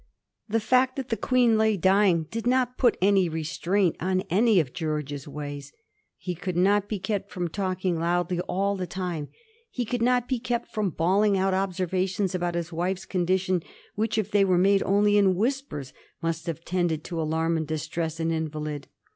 The fact that the Queen lay dying did not put any restraint on any of George's ways. He could not be kept from talking loudly all the time; he could not be kept from bawling out ob servations about his wife's condition which, if they were made only in whispers, must have tended to alarm and distress an invalid.